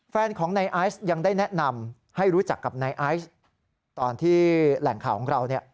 แฟนของนายไอซ์ยังได้แนะนำให้รู้จักกับนายไอซ์ตอนที่แหล่งข่าวของเราเนี่ย